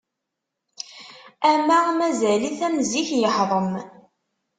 Ama mazal-it am zik yeḥḍem.